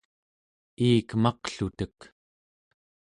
iik maqlutek